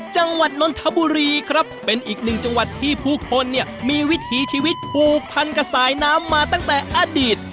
จังหวัดนนทบุรีครับเป็นอีกหนึ่งจังหวัดที่ผู้คนเนี่ยมีวิถีชีวิตผูกพันกับสายน้ำมาตั้งแต่อดีต